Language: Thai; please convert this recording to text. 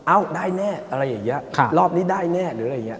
ได้แน่อะไรอย่างนี้รอบนี้ได้แน่หรืออะไรอย่างนี้